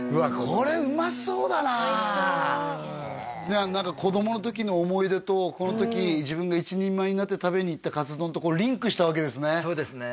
これうまそうだな何か子供の時の思い出とこの時自分が一人前になって食べに行ったかつ丼とリンクしたわけですね